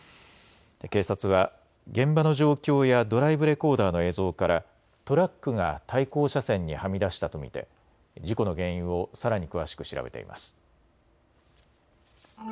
警察は現場の状況やドライブレコーダーの映像からトラックが対向車線にはみ出したと見て事故の原因をさらに詳しく調べています。